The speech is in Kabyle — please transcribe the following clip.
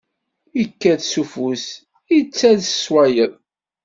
Ikkat s ufus, ittall s wayeḍ.